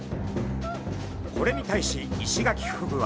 これに対しイシガキフグは。